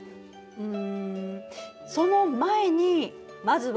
うん。